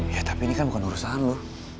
ya tapi ini kan bukan urusan loh